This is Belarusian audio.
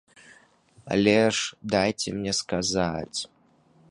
Але ж дайце мне сказаць.